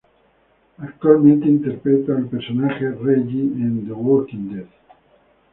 Actualmente interpreta al personaje Jerry en The Walking Dead.